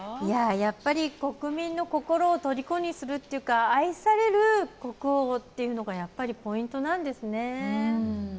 やっぱり国民の心をとりこにするっていうか愛される国王というのがやっぱりポイントなんですね。